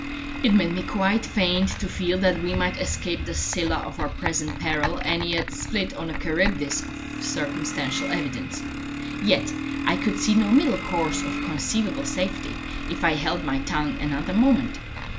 It made me quite faint to feel that we might escape the Scylla of our present peril and yet split on the Charybdis of circumstantial evidence. Yet I could see no middle course of conceivable safety, if I held my tongue another moment.